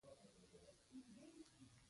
هدف د ټولنې د هڅو لارښود دی.